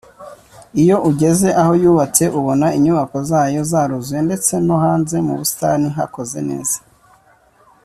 Iyo ugeze aho yubatse ubona inyubako zayo zaruzuye ndetse no hanze mu busitani hakoze neza